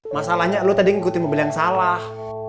masalahnya lu tadi ngikutin mobil yang salah